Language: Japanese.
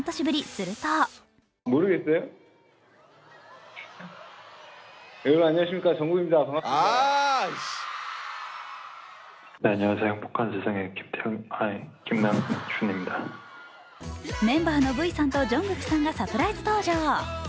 するとメンバーのＶさんとＪＵＮＧＫＯＯＫさんがサプライズ登場。